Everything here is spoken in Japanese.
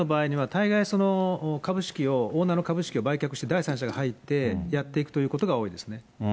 不祥事事件の場合には、大概、株式をオーナーの株式を売却して第三者が入ってやっていくというのが多いですね。